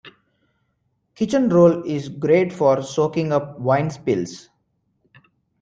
Kitchen roll is great for soaking up wine spills.